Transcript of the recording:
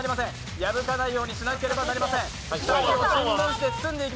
破かないようにしなければなりません。